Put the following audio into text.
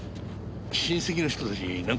親戚の人たちなんか言ってた？